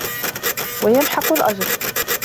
وَيَمْحَقُ الْأَجْرَ